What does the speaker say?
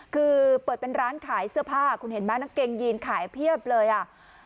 คือเปิดเป็นร้านขายเสื้อผ้าคุณเห็นไหมนักเกงยีนขายเพียบเลยอ่ะ